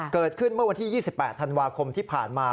เกิดขึ้นเมื่อวันที่๒๘ธันวาคมที่ผ่านมา